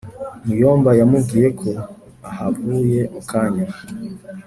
muyomba yamubwiyeko ahavuye mu kanya